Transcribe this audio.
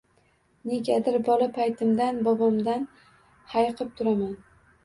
Negadir, bola paytimdan bobomdan hayiqib turaman